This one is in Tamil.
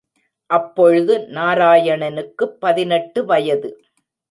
அப்பொழுது நாராயணனுக்குப் பதினெட்டு வயது.